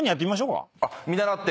見習って。